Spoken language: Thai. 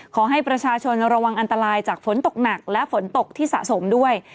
ขอให้ประชาชนระวังอันตรายจากฝนตกหนักและฝนตกที่สะสมด้วย